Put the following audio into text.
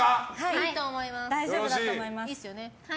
いいと思います！